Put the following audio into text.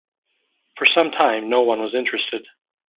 For some time, no one was interested.